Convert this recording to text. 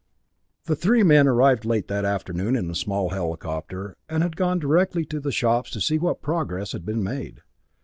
The three men had arrived late that afternoon in a small helicopter, and had gone directly to the shops to see what progress had been made.